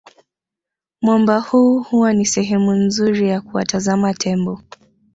Mwamba huu huwa ni sehemu nzuri ya kuwatazama Tembo